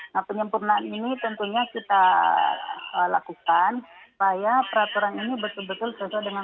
nah penyempurnaan ini tentunya kita lakukan supaya peraturan ini betul betul sesuai dengan